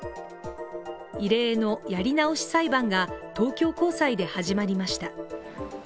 異例のやり直し裁判が東京高裁で始まりました。